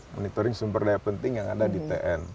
monitoring sumber daya penting yang ada di tn